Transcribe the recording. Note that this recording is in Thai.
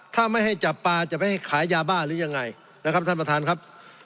ถ้าไม่ให้จับปลาจะไม่ให้ขายยาบ้าหรือยังไงนะครับท่านประธานครับ